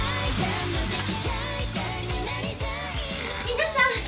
皆さん！